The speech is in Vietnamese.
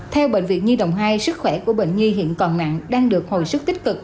theo bệnh viện nhi đồng hai sức khỏe của bệnh nhi hiện còn nặng đang được hồi sức tích cực